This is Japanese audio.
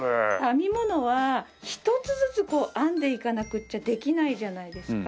編み物は１つずつ編んでいかなくっちゃできないじゃないですか。